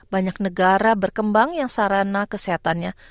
banyak negara berkembang yang sarana kesehatannya